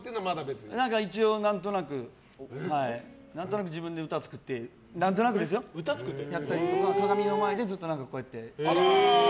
一応何となく自分で歌を作って何となくやったりとか鏡の前でずっとこうやって。